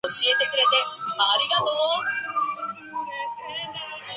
肩膀痠需要找按摩師傅